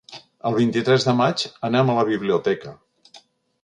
El vint-i-tres de maig anam a la biblioteca.